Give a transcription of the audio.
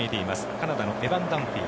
カナダのエバン・ダンフィー。